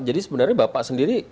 jadi sebenarnya bapak sendiri